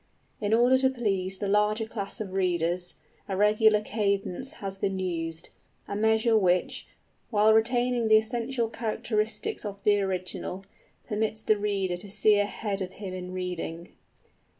In order to please the larger class of readers, a regular cadence has been used, a measure which, while retaining the essential characteristics of the original, permits the reader to see ahead of him in reading.